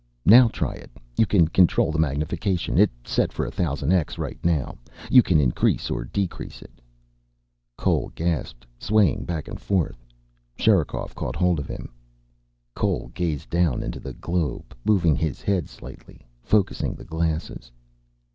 "Now try it. You can control the magnification. It's set for 1000X right now. You can increase or decrease it." Cole gasped, swaying back and forth. Sherikov caught hold of him. Cole gazed down into the globe, moving his head slightly, focussing the glasses.